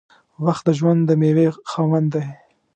• وخت د ژوند د میوې خاوند دی.